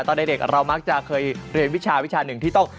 ตอนเด็กเรามักจะเคยเรียนวิชาวิชาหนึ่งที่ต้อง